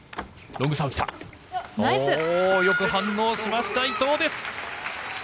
よく反応しました、伊藤です。